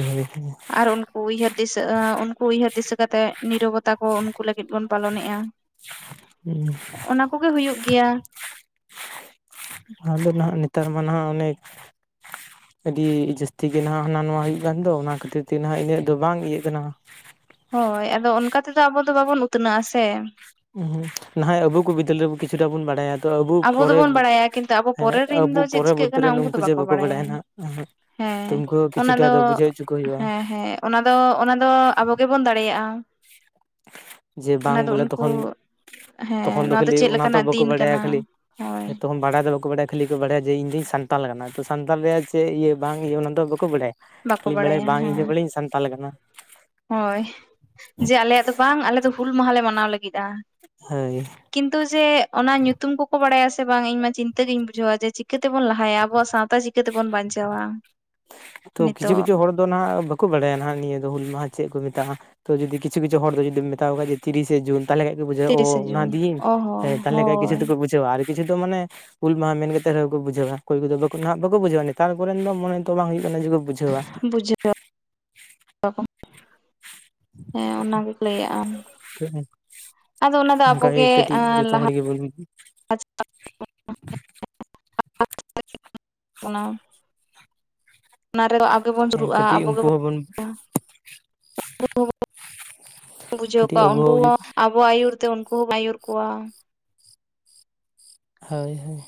[unintelligible] ᱟᱨ ᱩᱱᱠᱩ ᱩᱭᱦᱟᱹᱨ ᱫᱤᱥᱟᱹ ᱩᱱᱠᱩ ᱩᱭᱦᱟᱹᱨ ᱫᱤᱥᱟᱹ ᱠᱟᱛᱮᱫ ᱱᱤᱨᱚᱵᱚᱛᱟ ᱠᱚ ᱩᱱᱠᱩ ᱞᱟᱹᱜᱤᱫ ᱵᱚᱱ ᱯᱟᱞᱚᱱᱮᱜᱼᱟ᱾ ᱚᱱᱟ ᱠᱚᱜᱮ ᱦᱩᱭᱩᱜ ᱜᱮᱭᱟ ᱟᱞᱮ ᱱᱟᱦᱟᱸᱜ ᱱᱮᱛᱟᱨ ᱢᱟ ᱱᱟᱦᱟᱸᱜ ᱚᱱᱮᱠ ᱟᱹᱰᱤ ᱡᱟᱹᱥᱛᱤ ᱜᱮ ᱱᱟᱦᱟᱸᱜ ᱦᱟᱱᱟ ᱱᱚᱣᱟ ᱦᱩᱭᱩᱜ ᱠᱟᱱ ᱫᱚ ᱚᱱᱟ ᱠᱷᱟᱹᱛᱤᱨ ᱛᱮ ᱱᱟᱦᱟᱸᱜ ᱤᱱᱟᱹᱜ ᱫᱚ ᱵᱟᱝ ᱤᱭᱟᱹᱜ ᱠᱟᱱᱟ ᱦᱳᱭ᱾ᱟᱫᱚ ᱚᱱᱠᱟ ᱛᱮᱫᱚ ᱟᱵᱚ ᱫᱚ ᱵᱟᱵᱚᱱ ᱩᱛᱱᱟᱹᱜ-ᱟ ᱥᱮ? ᱱᱟ-ᱦᱚᱭ ᱟᱵᱚ ᱠᱚ ᱵᱤᱫᱟᱹᱞ ᱨᱮ ᱠᱤᱪᱷᱩᱟ ᱵᱚ ᱵᱟᱲᱟᱭᱟ᱾ ᱛᱚ ᱟᱵᱚ ᱯᱚᱨᱮ ᱫᱚᱵᱚᱱ ᱵᱟᱲᱟᱭᱟ ᱠᱤᱱᱛᱩ ᱟᱵᱚ ᱦᱮᱸ ᱯᱚᱨᱮᱨ ᱨᱤᱱ ᱟᱵᱚ ᱫᱚ ᱪᱮᱫ ᱯᱚᱨᱮ ᱪᱤᱠᱟᱹᱜ ᱵᱚᱨᱛᱤ ᱠᱟᱱᱟ ᱨᱮᱱ ᱩᱱᱠᱩ ᱫᱚ ᱡᱮ ᱵᱟᱠᱚ ᱵᱟᱲᱟᱭᱟ ᱱᱟᱦᱟᱜ ᱛᱚ ᱦᱮᱸ ᱩᱱᱠᱩ ᱚᱱᱟ ᱠᱤᱪᱷᱩᱴᱟ ᱫᱚ ᱵᱩᱡᱷᱟᱹᱣ ᱪᱚ ᱠᱚ ᱦᱩᱭᱩᱜᱼᱟ᱾ ᱦᱮᱸ ᱦᱮᱸ ᱚᱱᱟ ᱫᱚ ᱚᱱᱟ ᱫᱚ ᱟᱵᱚ ᱜᱮᱵᱚᱱ ᱫᱟᱲᱮᱭᱟᱜᱼᱟ᱾ ᱡᱮ ᱵᱟᱝ ᱚᱱᱟ ᱫᱚ ᱵᱚᱞᱮ ᱩᱱᱠᱩ ᱛᱚᱠᱷᱚᱱ ᱦᱮᱸ ᱛᱚᱠᱷᱚᱱ ᱫᱚ ᱱᱚᱣᱟ ᱠᱷᱟᱹᱞᱤ ᱪᱮᱫ ᱚᱱᱟ ᱫᱚ ᱞᱮᱠᱟᱱᱟᱜ ᱵᱟᱠᱚ ᱫᱤᱱ ᱵᱟᱰᱟᱭᱟ ᱠᱟᱱᱟ ᱠᱷᱟᱹᱞᱤ ᱦᱳᱭ ᱦᱮᱸᱛᱚ ᱵᱟᱲᱟᱭ ᱫᱚ ᱵᱟᱠᱚ ᱵᱟᱰᱟᱭᱟ ᱠᱷᱟᱹᱞᱤ ᱠᱚ ᱵᱟᱲᱟᱭᱟ ᱡᱮ ᱤᱧ ᱫᱚᱧ ᱥᱟᱱᱛᱟᱞ ᱠᱟᱱᱟ, ᱛᱚ ᱥᱟᱱᱛᱟᱞ ᱨᱮᱭᱟᱜ ᱪᱮᱫ ᱤᱭᱟᱹ ᱵᱟᱝ ᱤᱭᱟᱹ ᱚᱱᱟ ᱫᱚ ᱵᱟᱠᱚ ᱵᱟᱰᱟᱭᱟ᱾ ᱵᱟᱠᱚ ᱤᱧ ᱵᱟᱲᱟᱭ ᱵᱟᱲᱟᱭᱟ ᱵᱟᱝ ᱦᱮᱸ ᱤᱧ ᱫᱚ ᱵᱚᱞᱮᱧ ᱥᱟᱱᱛᱟᱞ ᱠᱟᱱᱟ ᱦᱳᱭ ᱡᱮ ᱟᱞᱮᱭᱟᱜ ᱫᱚ ᱵᱟᱝ ᱟᱞᱮ ᱫᱚ ᱦᱩᱞ ᱢᱟᱦᱟᱞᱮ ᱢᱟᱱᱟᱣ ᱞᱟᱹᱜᱤᱫᱼᱟ ᱦᱳᱭ ᱠᱤᱱᱛᱩ ᱡᱮ ᱚᱱᱟ ᱧᱩᱛᱩᱢ ᱠᱚᱠᱚ ᱵᱟᱲᱟᱭᱟ, ᱥᱮ ᱵᱟᱝ ᱤᱧ ᱢᱟ ᱪᱤᱱᱛᱟᱹ ᱜᱤᱧ ᱵᱩᱡᱷᱟᱹᱣᱟ, ᱡᱮ ᱪᱤᱠᱟᱹᱛᱮᱵᱚᱱ ᱞᱟᱦᱟᱭᱟ, ᱟᱵᱚᱣᱟᱜ ᱥᱟᱶᱛᱟ ᱪᱤᱠᱟᱹ ᱪᱤᱠᱟᱹ ᱛᱮᱵᱚᱱ ᱵᱟᱧᱪᱟᱣᱟ᱾ ᱛᱚ ᱠᱤᱪᱷᱩ ᱱᱤᱛᱚᱜ ᱠᱤᱪᱷᱩ ᱫᱚ ᱱᱟᱜᱟᱜ ᱵᱟᱝ ᱵᱟᱰᱟᱭᱟ ᱱᱟᱦᱟᱜ ᱱᱤᱭᱟᱹ ᱫᱚ ᱦᱩᱞ ᱢᱟᱦᱟ ᱪᱮᱫ ᱠᱚ ᱢᱮᱛᱟᱜ-ᱟ? ᱛᱚ ᱡᱩᱫᱤ ᱠᱤᱪᱷᱩ ᱠᱤᱪᱷᱩ ᱫᱚ ᱡᱩᱫᱤᱢ ᱢᱮᱛᱟᱣ ᱠᱷᱟᱜ ᱛᱤᱨᱤᱥᱮ ᱡᱩᱱ ᱛᱟᱦᱚᱞᱮ ᱠᱷᱟᱡ ᱠᱚ ᱵᱩᱡᱷᱟᱹᱣᱟ ᱚ ᱛᱤᱨᱤᱥᱮ ᱚᱱᱟ ᱡᱩᱱ ᱫᱤᱱ ᱚ ᱦᱚᱸ ᱦᱮ ᱛᱟᱦᱚᱞᱮ ᱠᱷᱟᱡ ᱠᱤᱪᱷᱩ ᱦᱳᱭ ᱫᱚᱠᱚ ᱵᱩᱡᱷᱟᱹᱣᱟ ᱟᱨ ᱠᱤᱪᱷᱩ ᱫᱚ ᱢᱟᱱᱮ ᱦᱩᱞ ᱢᱟᱦᱟ ᱢᱮᱱ ᱠᱟᱛᱮᱫ ᱨᱮᱦᱚᱸ ᱠᱚ ᱵᱩᱡᱷᱟᱹᱣᱟ, ᱚᱠᱚᱭ ᱠᱚᱫᱚ ᱦᱟᱸᱜ ᱵᱟᱠᱚ ᱵᱩᱡᱟᱹᱣᱟ, ᱱᱮᱛᱟᱨ ᱠᱚᱨᱮᱱ ᱫᱚ ᱢᱚᱱᱮ ᱛᱚ ᱵᱟᱝ ᱦᱩᱭᱩᱜᱼᱟ᱾ ᱚᱱᱮᱡ ᱜᱮ ᱵᱩᱡᱷᱟᱹᱣᱟ ᱵᱩᱡᱷᱟᱹᱣᱟ ᱦᱮᱸ ᱚᱱᱟᱜᱮ ᱞᱟᱹᱭᱟᱜᱼᱟᱢ [unintelligible] ᱟᱫᱚ ᱚᱱᱟ ᱫᱚ ᱟᱵᱚ ᱚᱱᱠᱟᱜᱮ ᱜᱮ ᱠᱟᱹᱴᱤᱡ ᱡᱚᱛᱚ ᱞᱟᱦᱟ ᱦᱚᱲ ᱜᱮᱵᱚᱱ [inaudible] [inaudible] ᱚᱱᱟ ᱚᱱᱟ ᱨᱮ ᱟᱜᱮᱵᱚᱱ ᱦᱮᱸ ᱡᱩᱨᱩᱜᱼᱟ ᱠᱟᱹᱴᱤᱡ ᱟᱵᱚ ᱩᱱᱠᱩ ᱜᱮᱵᱚᱱ [inaudible] ᱩᱱᱠᱩ ᱦᱚᱸ ᱵᱚ ᱵᱩᱡᱷᱟᱹᱣ ᱠᱟᱹᱴᱤᱡ ᱠᱚᱣᱟ ᱟᱵᱚ ᱩᱱᱠᱩ ᱦᱚᱸ ᱟᱵᱚᱣᱟᱜ ᱟᱹᱭᱩᱨ ᱛᱮ ᱩᱱᱠᱩ ᱦᱚᱸ ᱵᱚᱱ ᱟᱹᱭᱩᱨ ᱠᱚᱣᱟ᱾ ᱦᱳᱭ ᱦᱳᱭ᱾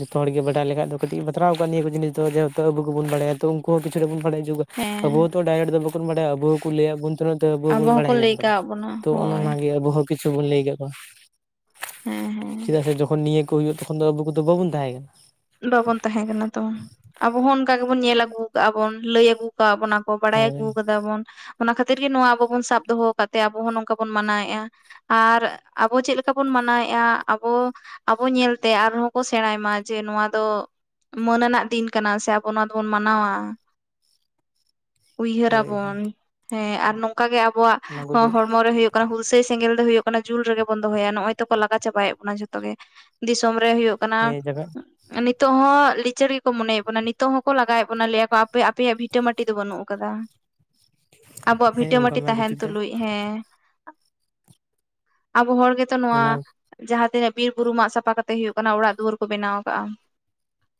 ᱡᱚᱛᱚ ᱦᱚᱲ ᱜᱮ ᱵᱟᱟᱭᱠᱷᱟᱡ ᱫᱚ ᱠᱟᱹᱴᱤᱡ ᱵᱟᱛᱨᱟᱣ ᱠᱚᱜ-ᱟ ᱱᱤᱭᱟᱹ ᱡᱤᱱᱤᱥ ᱫᱚ, ᱡᱮᱦᱮᱛᱩ ᱟᱵᱚ ᱜᱮᱵᱚᱱ ᱵᱟᱲᱭᱟ ᱛᱚ ᱩᱱᱠᱩ ᱦᱚᱸ ᱠᱤᱪᱷᱩ ᱫᱚ ᱵᱚᱱ ᱵᱟᱲᱟᱭ ᱚᱪᱚ ᱠᱚᱣᱟ᱾ ᱦᱮᱸ ᱟᱵᱚ ᱛᱚ ᱰᱟᱭᱨᱮᱴ ᱫᱚ ᱵᱟᱚᱱ ᱵᱟᱰᱟᱭᱟ ᱟᱵᱚ ᱦᱚᱸ ᱠᱚ ᱞᱟᱹᱭᱟᱫ ᱵᱚᱱ ᱛᱟᱦᱮᱱᱟ ᱛᱚ, ᱟᱵᱚ ᱵᱚᱱ ᱦᱚᱸᱠᱚ ᱵᱟᱲᱟᱭ ᱧᱟᱢ ᱞᱟᱹᱭ ᱠᱟᱫᱟ ᱠᱟᱜ ᱵᱚᱱᱟ ᱛᱚ ᱚᱱᱮ ᱦᱳᱭ ᱚᱱᱟ ᱜᱮ ᱟᱵᱚ ᱦᱚᱸ ᱠᱤᱪᱷᱩ ᱵᱚᱱ ᱞᱟᱹᱭ ᱜᱚᱫ ᱠᱚᱣᱟ ᱦᱮᱸ ᱦᱮᱸ ᱪᱮᱫᱟᱜ ᱥᱮ ᱡᱚᱠᱷᱚᱱ ᱱᱤᱭᱟᱹ ᱠᱚ ᱦᱩᱭᱩᱜ ᱛᱚᱠᱷᱚᱱ ᱫᱚ ᱟᱵᱩ ᱠᱚᱫᱚ ᱵᱟᱵᱩᱱ ᱛᱟᱦᱮᱸ ᱠᱟᱱᱟ᱾ ᱵᱟᱵᱚᱱ ᱛᱟᱦᱮᱸ ᱠᱟᱱᱟ ᱛᱚ, ᱟᱵᱚ ᱦᱚᱸ ᱚᱱᱠᱟ ᱜᱮᱵᱚᱱ ᱧᱮᱞ ᱟᱹᱜᱩ ᱠᱟᱜᱼᱟ ᱵᱚᱱ, ᱞᱟᱹᱭ ᱟᱹᱜᱩ ᱠᱟᱜ ᱵᱚᱱᱟ᱾ ᱵᱟᱲᱟᱭ ᱠᱟᱱᱟ ᱟᱹᱜᱩ ᱦᱳᱭ ᱠᱟᱫᱟ ᱵᱚᱱ ᱚᱱᱟ ᱠᱷᱟᱹᱛᱤᱨ ᱜᱮ ᱱᱚᱣᱟ ᱟᱵᱚ ᱵᱚᱱ ᱥᱟᱵ ᱫᱚᱦᱚᱫ ᱟᱠᱟᱫ ᱛᱮ ᱟᱵᱚ ᱦᱚᱸ ᱱᱚᱝᱠᱟ ᱵᱚᱱ ᱢᱟᱱᱟᱣ ᱮᱫᱼᱟ ᱾ ᱟᱨ ᱟᱵᱚ ᱪᱮᱫ ᱞᱮᱠᱟ ᱵᱚᱱ ᱢᱟᱱᱟᱣᱮᱜᱼᱟ ᱟᱵᱚ ᱟᱵᱚ ᱧᱮᱞ ᱛᱮ ᱟᱨᱦᱚᱸ ᱠᱚ ᱥᱮᱬᱟᱭ ᱢᱟ ᱡᱮ ᱱᱚᱣᱟ ᱫᱚ ᱢᱟᱹᱱᱟᱱᱟᱹᱜ ᱫᱤᱱ ᱠᱟᱱᱟ ᱥᱮ ᱟᱵᱚ ᱱᱚᱣᱟ ᱫᱚ ᱵᱚᱱ ᱢᱟᱱᱟᱣᱟ᱾ ᱩᱭᱦᱟᱹᱨ ᱦᱳᱭ ᱟᱵᱚᱱ ᱦᱳᱭ ᱦᱮᱸ ᱟᱨ ᱱᱚᱝᱠᱟ ᱜᱮ ᱟᱵᱚᱣᱟᱜ ᱚᱱᱟ ᱠᱚᱜᱮ ᱦᱚᱲᱢᱚ ᱨᱮ ᱦᱩᱭᱩᱜ ᱠᱟᱱᱟ ᱦᱩᱞᱥᱟᱹᱭ ᱥᱮᱸᱜᱮᱞ ᱫᱚ ᱦᱩᱭᱩᱜ ᱠᱟᱱᱟ ᱡᱩᱞ ᱨᱮᱜ ᱵᱚᱱ ᱫᱚᱦᱚᱭᱟ ᱱᱚᱜᱼᱚᱭ ᱛᱚ ᱠᱚ ᱞᱟᱜᱟ ᱪᱟᱵᱟᱭᱮᱫ ᱵᱚᱱᱟ ᱡᱷᱚᱛᱚ ᱜᱮ᱾ ᱫᱤᱥᱚᱢ ᱨᱮ ᱦᱩᱭᱩᱜ ᱠᱟᱱᱟ ᱦᱮᱸ ᱡᱟᱜᱟ ᱱᱤᱛᱚᱜ ᱦᱚᱸ ᱞᱤᱪᱟᱹᱲ ᱜᱮ ᱠᱚ ᱢᱚᱱᱮᱭᱮᱫ ᱵᱚᱱᱟ ᱱᱤᱛᱚᱜ ᱦᱚᱸ ᱠᱚ ᱞᱟᱜᱟᱣᱮᱫ ᱵᱚᱱᱟ ᱞᱟᱹᱭᱟ ᱟᱯᱮ ᱟᱯᱮᱭᱟᱜ ᱵᱷᱤ ᱵᱷᱤᱴᱟᱹ ᱢᱟᱹᱴᱤ ᱫᱚ ᱵᱟᱹᱱᱩᱜ ᱟᱠᱟᱫᱟ, ᱟᱵᱚᱣᱟᱜ ᱵᱷᱤᱴᱟᱹ ᱦᱮᱸ ᱚᱱᱠᱟ ᱢᱟᱹᱴᱤ ᱢᱟ ᱛᱟᱦᱮᱱ ᱠᱤᱪᱷᱩᱴᱟ ᱛᱩᱞᱩᱡ ᱦᱮᱸ, ᱟᱵᱚ ᱦᱚᱲ ᱜᱮᱛᱚ ᱱᱚᱣᱟ ᱚᱱᱟ ᱡᱟᱦᱟᱸ ᱛᱤᱱᱟᱹᱜ ᱵᱤᱨᱼᱵᱩᱨᱩ ᱢᱟᱜ ᱥᱟᱯᱷᱟ ᱠᱟᱛᱮ ᱦᱩᱭᱩᱜ ᱠᱟᱱᱟ, ᱚᱲᱟᱜ ᱫᱩᱣᱟᱹᱨ ᱠᱚ ᱵᱮᱱᱟᱣ ᱟᱠᱟᱜᱼᱟ᱾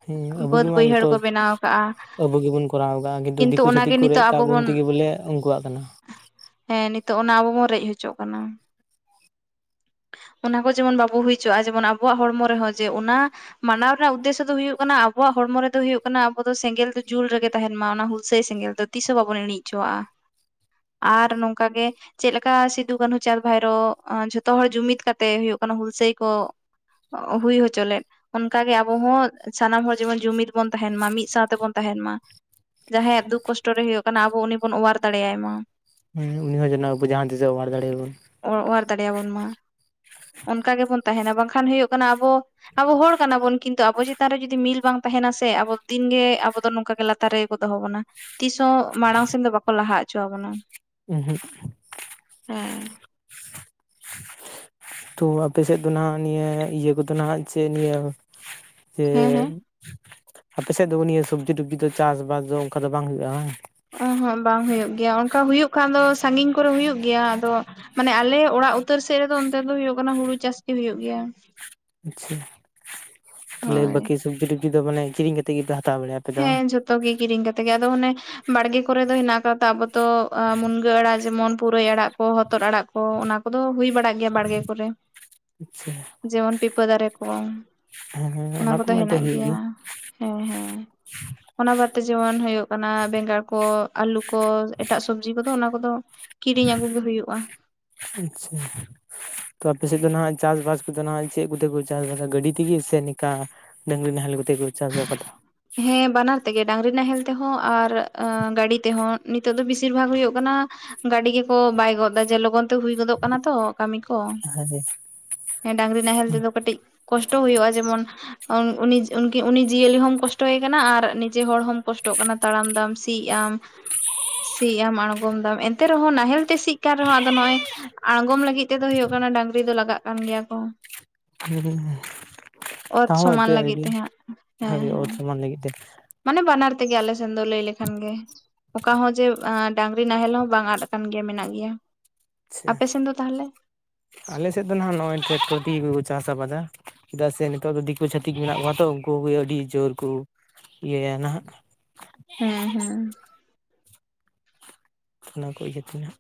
ᱦᱩᱸ ᱟᱵᱚ ᱜᱮ ᱢᱟ ᱡᱚᱛᱚ ᱠᱟᱜᱼᱟ ᱟᱵᱚ ᱜᱮ ᱵᱚᱱ ᱠᱚᱨᱟᱣ ᱫᱟ ᱾ ᱟᱜᱮ ᱫᱚ ᱠᱤᱱᱛᱩ ᱫᱤᱠᱩ ᱪᱷᱟᱹᱛᱤᱠ ᱚᱱᱟᱜᱮ ᱠᱚ ᱨᱮᱡ ᱱᱤᱛᱚᱜ ᱟᱵᱚ ᱠᱟᱜ ᱵᱚᱱ ᱛᱮ ᱜᱮ ᱵᱚᱞᱮ ᱩᱱᱠᱩᱣᱟᱜ ᱠᱟᱱᱟ ᱾ ᱦᱮᱸ ᱱᱤᱛᱚᱜ ᱚᱱᱟ ᱟᱵᱚ ᱵᱚᱱ ᱨᱮᱡ ᱦᱚᱪᱚᱜ ᱠᱟᱱᱟ ᱾ ᱚᱱᱟ ᱠᱚ ᱡᱮᱢᱚᱱ ᱵᱟᱵᱚ ᱦᱩᱭ ᱦᱚᱪᱣᱟᱜᱼᱟ ᱡᱮᱢᱚᱱ ᱟᱵᱚᱣᱟᱜ ᱦᱚᱲᱢᱚ ᱨᱮᱦᱚᱸ ᱡᱮ ᱚᱱᱟ ᱢᱟᱱᱟᱣ ᱨᱮᱱᱟᱜ ᱩᱫᱽᱫᱮᱥᱥᱚ ᱫᱚ ᱦᱩᱭᱩᱜ ᱠᱟᱱᱟ ᱟᱵᱚᱣᱟᱜ ᱦᱚᱲᱢᱚ ᱨᱮᱫᱚ ᱦᱩᱭᱩᱜ ᱠᱟᱱᱟ ᱟᱵᱚ ᱫᱚ ᱥᱮᱸᱜᱮᱞ ᱫᱚ ᱡᱩᱞ ᱨᱮ ᱜᱮ ᱛᱟᱦᱮᱱ ᱢᱟ ᱚᱱᱟ ᱦᱩᱞᱥᱟᱹᱭ ᱥᱮᱸᱜᱮᱞ ᱫᱚ᱾ ᱛᱤᱥ ᱦᱚᱸ ᱵᱟᱵᱚᱱ ᱤᱬᱤᱡ ᱦᱚᱪᱚᱣᱟᱜᱼᱟ ᱟᱨ ᱱᱚᱝᱠᱟ ᱜᱮ ᱪᱮᱫ ᱞᱮᱠᱟ ᱥᱤᱫᱩ ᱠᱟᱹᱱᱦᱩ ᱪᱟᱸᱫᱽ ᱵᱷᱟᱭᱨᱳ ᱡᱷᱚᱛᱚ ᱦᱚᱲ ᱡᱩᱢᱤᱫ ᱠᱟᱛᱮ ᱦᱩᱭᱩᱜ ᱠᱟᱱᱟ ᱦᱩᱞᱥᱟᱹᱭ ᱠᱚ ᱾ ᱦᱩᱭ ᱦᱚᱪᱚ ᱞᱮᱫ ᱚᱱᱠᱟ ᱜᱮ ᱟᱵᱚ ᱦᱚᱸ ᱥᱟᱱᱟᱢ ᱦᱚᱲ ᱡᱮᱢᱚᱱ ᱡᱩᱢᱤᱫ ᱵᱚᱱ ᱛᱟᱦᱮᱱ ᱢᱟ ᱢᱤᱫ ᱥᱟᱶᱛᱮ ᱵᱚᱱ ᱛᱟᱦᱮᱱ ᱢᱟ᱾ ᱡᱟᱦᱟᱸᱭᱟᱜ ᱫᱩᱠ ᱠᱚᱥᱴᱚ ᱨᱮ ᱦᱩᱭᱩᱜ ᱠᱟᱱᱟ ᱟᱵᱚ ᱩᱱᱤ ᱵᱚᱱ ᱚᱣᱟᱨ ᱫᱟᱲᱮᱭᱟᱭ ᱢᱟ᱾ ᱦᱩᱸ ᱩᱱᱤ ᱦᱚᱸ ᱡᱮᱱᱚ ᱟᱵᱚ ᱡᱟᱦᱟᱸ ᱛᱤᱥᱚᱜ ᱚᱣᱟᱨ ᱫᱟᱲᱮ ᱟᱵᱚᱱ᱾ ᱚ, ᱚᱣᱟᱨ ᱫᱟᱲᱮᱭᱟᱵᱚᱱ ᱢᱟ ᱚᱱᱠᱟ ᱜᱮᱵᱚᱱ ᱛᱟᱦᱮᱱᱟ ᱵᱟᱝᱠᱷᱟᱱ ᱦᱩᱭᱩᱜ ᱠᱟᱱᱟ ᱟᱵᱚ, ᱟᱵᱚ ᱦᱚᱲ ᱠᱟᱱᱟ ᱵᱚᱱ ᱠᱤᱱᱛᱩ ᱟᱵᱚ ᱪᱮᱛᱟᱱ ᱨᱮ ᱡᱩᱫᱤ ᱢᱤᱞ ᱵᱟᱝ ᱛᱟᱦᱮᱱᱟ ᱥᱮ ᱟᱵᱚ ᱫᱤᱱ ᱜᱮ ᱟᱵᱚ ᱫᱚ ᱱᱚᱝᱠᱟ ᱞᱟᱛᱟᱨ ᱨᱮ ᱜᱮ ᱠᱚ ᱫᱚᱦᱚ ᱵᱚᱱᱟ᱾ ᱛᱤᱥ ᱦᱚᱸ ᱢᱟᱲᱟᱝ ᱥᱮᱱ ᱫᱚ ᱵᱟᱠᱚ ᱞᱟᱦᱟ ᱚᱪᱚ ᱟᱵᱚᱱᱟ᱾ ᱩᱸᱦᱩᱸᱜ᱾ ᱦᱮᱸ ᱛᱚ ᱟᱯᱮ ᱥᱮᱫ ᱫᱚ ᱱᱟᱜ ᱱᱤᱭᱟᱹ ᱤᱭᱟᱹ ᱠᱚᱫᱚ ᱱᱟᱜ ᱡᱮ ᱱᱤᱭᱟᱹ ᱡᱮ ᱦᱮᱸ ᱦᱮᱸ ᱟᱯᱮ ᱥᱮᱫ ᱫᱚ ᱱᱤᱭᱟᱹ ᱥᱚᱵᱽᱡᱤ ᱴᱚᱵᱡᱤ ᱫᱚ ᱪᱟᱥᱵᱟᱥ ᱫᱚ ᱚᱝᱠᱟ ᱫᱚ ᱵᱟᱝ ᱦᱩᱭᱩᱜᱼᱟ ᱵᱟᱝ ᱚ ᱦᱚᱸ ᱵᱟᱝ ᱦᱩᱭᱩᱜ ᱜᱮᱭᱟ ᱚᱱᱠᱟ ᱦᱩᱭᱩᱜ ᱠᱷᱟᱡ ᱫᱚ ᱥᱟᱺᱜᱤᱧ ᱠᱚᱨᱮ ᱦᱩᱭᱩᱜ ᱜᱮᱭᱟ ᱟᱫᱚ᱾ ᱢᱟᱱᱮ ᱟᱞᱮ ᱚᱲᱟᱜ ᱩᱛᱟᱹᱨ ᱥᱮᱫ ᱨᱮ ᱫᱚ ᱚᱱᱛᱮ ᱫᱚ ᱦᱩᱭᱩᱜ ᱠᱟᱱᱟ ᱦᱩᱲᱩ ᱪᱟᱥ ᱜᱮ ᱦᱩᱭᱩᱜ ᱜᱮᱭᱟ ᱟᱪᱪᱷᱟ᱾ ᱛᱟᱞᱦᱮ ᱦᱳᱭ ᱵᱟᱹᱠᱤ ᱥᱚᱵᱡᱤ ᱴᱚᱵᱡᱤ ᱫᱚ ᱢᱟᱱᱮ ᱠᱤᱨᱤᱧ ᱠᱟᱛᱮᱫ ᱜᱮ ᱯᱮ ᱦᱟᱛᱟᱣ ᱵᱟᱲᱟᱭᱼᱟ? ᱦᱮᱸ ᱡᱷᱚᱛᱚ ᱜᱮ ᱠᱤᱨᱤᱧ ᱠᱟᱛᱮ ᱜᱮ ᱟᱫᱚ ᱚᱱᱮ ᱵᱟᱲᱜᱮ ᱠᱚᱨᱮ ᱫᱚ ᱦᱮᱱᱟᱜ ᱟᱠᱟᱫᱟ ᱟᱵᱚ ᱛᱚ ᱢᱩᱱᱜᱟᱹ ᱟᱲᱟᱜ ᱡᱮᱢᱚᱱ ᱯᱩᱨᱟᱹᱭ ᱟᱲᱟᱜ ᱠᱚ ᱦᱚᱛᱚᱫ ᱟᱲᱟᱜ ᱠᱚ ᱚᱱᱟ ᱠᱚᱫᱚ ᱦᱩᱭ ᱵᱟᱲᱟᱜ ᱜᱮᱭᱟ ᱵᱟᱲᱜᱮ ᱠᱚᱨᱮ ᱟᱪᱪᱷᱟ ᱡᱮᱢᱚᱱ ᱯᱤᱯᱟᱹ ᱫᱟᱨᱮ ᱠᱚ᱾ ᱦᱮᱸ ᱦᱮᱸ ᱚᱱᱟ ᱠᱚᱫᱚ ᱠᱚᱢᱟ ᱮᱱᱛᱮ ᱦᱮᱱᱟᱜ ᱦᱩᱭᱩᱜ ᱜᱮ ᱜᱮᱭᱟ, ᱦᱮᱸ ᱦᱮᱸ᱾ ᱚᱱᱟ ᱵᱟᱫᱛᱮ ᱡᱮᱢᱚᱱ ᱦᱩᱭᱩᱜ ᱠᱟᱱᱟ ᱵᱮᱸᱜᱟᱬ ᱠᱚ, ᱟᱹᱞᱩ ᱠᱚ, ᱮᱴᱟᱜ ᱥᱚᱵᱡᱤ ᱠᱚᱫᱚ ᱚᱱᱟ ᱠᱚᱫᱚ ᱠᱤᱨᱤᱧ ᱟᱹᱜᱩ ᱜᱮ ᱦᱩᱭᱩᱜᱼᱟ᱾ ᱟᱪᱪᱷᱟ᱾ ᱛᱚ ᱟᱯᱮ ᱥᱮᱫ ᱫᱚ ᱱᱟᱜ ᱪᱟᱥᱼᱵᱟᱥ ᱠᱚᱫᱚ ᱱᱟᱜ ᱪᱮᱫ ᱠᱚᱛᱮ ᱠᱚ ᱪᱟᱥᱵᱟᱥᱟ ᱜᱟᱹᱰᱤ ᱛᱮᱜᱮ ᱥᱮ ᱱᱤᱠᱟ᱾ ᱰᱟᱝᱨᱤ ᱱᱟᱦᱮᱞ ᱠᱟᱛᱮ ᱠᱚ ᱪᱟᱥ ᱟᱠᱟᱫᱟ᱾ ᱦᱮᱸ ᱵᱟᱱᱟᱨ ᱛᱮᱜᱮ ᱰᱟᱝᱨᱤ ᱱᱟᱦᱮᱞ ᱛᱮᱦᱚᱸ ᱟᱨ ᱜᱟᱹᱰᱤ ᱛᱮᱦᱚᱸ ᱱᱤᱛᱚᱜ ᱫᱚ ᱵᱮᱥᱤᱨ ᱵᱷᱟᱜᱽ ᱦᱩᱭᱩᱜ ᱠᱟᱱᱟ ᱜᱟᱹᱰᱤ ᱜᱮᱠᱚ ᱵᱟᱭ ᱜᱚᱫ ᱮᱫᱟ ᱡᱮ ᱞᱚᱜᱚᱱ ᱛᱮ ᱦᱩᱭ ᱜᱚᱫᱚᱜ ᱠᱟᱱᱟ ᱛᱚ ᱠᱟᱹᱢᱤ ᱠᱚ᱾ ᱰᱟᱝᱨᱤ ᱱᱟᱦᱮᱞ ᱛᱮᱫᱚ ᱠᱟᱹᱴᱤᱡ ᱠᱚᱥᱴᱚ ᱦᱩᱭᱩᱜᱼᱟ ᱡᱮᱢᱚᱱ ᱩᱱᱤ ᱡᱤᱭᱟᱹᱞᱤ ᱦᱚᱸᱢ ᱠᱚᱥᱴᱚᱭᱮ ᱠᱟᱱᱟ ᱟᱨ ᱱᱤᱡᱮ ᱦᱚᱲ ᱦᱚᱸᱢ ᱠᱚᱥᱴᱚᱜ ᱠᱟᱱᱟ ᱛᱟᱲᱟᱢ ᱫᱟᱢ ᱥᱤ ᱮᱜ ᱟᱢ ᱥᱤ ᱟᱢ ᱟᱬᱜᱚᱢ ᱫᱟᱢ ᱮᱱᱛᱮ ᱨᱮᱦᱚᱸ ᱱᱟᱦᱮᱞ ᱛᱮ ᱥᱤᱜ ᱠᱟᱱ ᱨᱮᱦᱚᱸ ᱟᱫᱚ ᱱᱚᱜ ᱚᱭ ᱟᱬᱜᱚᱢ ᱞᱟᱹᱜᱤᱫ ᱛᱮᱫᱚ ᱦᱳᱭᱳᱜ ᱠᱟᱱᱟ ᱰᱟᱝᱨᱤ ᱫᱚ ᱞᱟᱜᱟᱜ ᱠᱟᱱ ᱜᱮᱭᱟ ᱠᱚ᱾ ᱚᱛ ᱥᱚᱢᱟᱱ ᱞᱟᱹᱜᱤᱫ ᱛᱮ ᱦᱟᱸᱜ ᱦᱮᱸ ᱦᱮᱸ [unintelligible] ᱢᱟᱱᱮ ᱵᱟᱱᱟᱨ ᱛᱮᱜᱮ ᱟᱞᱮ ᱥᱮᱱ ᱫᱚ ᱞᱟᱹᱭ ᱞᱮᱠᱷᱟᱱ ᱜᱮ᱾ ᱚᱠᱟ ᱦᱚ ᱡᱮ ᱰᱟᱝᱨᱤ ᱱᱟᱦᱮᱞ ᱦᱚᱸ ᱵᱟᱝ ᱟᱫ ᱠᱟᱱ ᱜᱮᱭᱟ ᱢᱮᱱᱟᱜ ᱜᱮᱭᱟ᱾ ᱟᱪᱪᱷᱟ ᱟᱯᱮ ᱥᱮᱱ ᱫᱚ ᱛᱟᱦᱚᱞᱮ ᱟᱞᱮ ᱥᱮᱫ ᱫᱚ ᱱᱟᱦᱟᱜ ᱱᱚᱜᱼᱚᱭ ᱴᱮᱠᱴᱚᱨ ᱫᱤᱭᱮ ᱜᱮᱠᱚ ᱪᱟᱥ ᱟᱵᱟᱫᱟ᱾ ᱪᱮᱫᱟᱜ ᱥᱮ ᱱᱤᱛᱚᱜ ᱫᱚ ᱫᱤᱠᱩ ᱪᱷᱟᱹᱛᱤᱠ ᱢᱮᱱᱟᱜ ᱠᱚᱣᱟ ᱛᱚ ᱩᱱᱠᱩ ᱜᱮ ᱟᱹᱰᱤ ᱡᱳᱨ ᱠᱚ ᱤᱭᱟᱹᱭᱟ ᱱᱟᱦᱟᱜ᱾ ᱦᱮᱸ ᱦᱮᱸ ᱚᱱᱟ ᱠᱚ ᱤᱭᱟᱹᱛᱮ ᱱᱟᱸᱜ